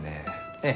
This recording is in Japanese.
ええ。